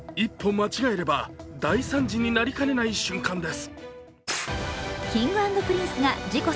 間違えれば大惨事になりかねない瞬間です。